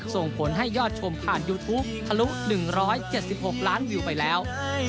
ส่งผลให้ยอดชมผ่านยูทูปทะลุ๑๗๖ล้านวิวไปแล้ว